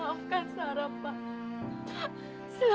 maafkan sarah pak